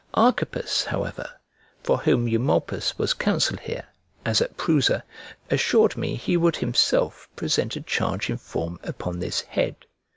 Archippus, however, for whom Eulnolpus was counsel here, as at Prusa, assured me he would himself present a charge in form upon this head.